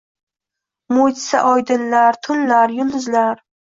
Mo‘’jiza – oydinlar, tunlar, yulduzlar…